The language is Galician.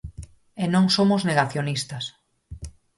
E non somos negacionistas.